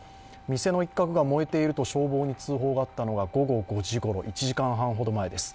店の一角が燃えていると消防に通報があったのが午後５時ごろ、１時間半ほど前です。